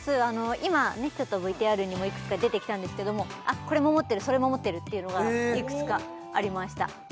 今ちょっとＶＴＲにもいくつか出てきたんですけどもあっこれも持ってるそれも持ってるっていうのがいくつかありました